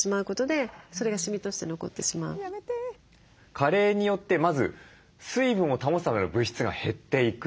加齢によってまず水分を保つための物質が減っていく。